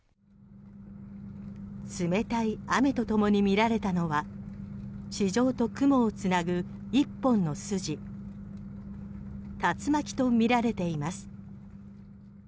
冷たい雨とともに見られたのは地上と雲を繋ぐ１本の筋竜巻とみられています。